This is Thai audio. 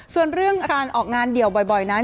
ส่วนเรื่องการออกงานเดี่ยวบ่อยนั้น